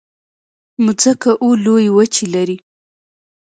مځکه اوه لویې وچې لري.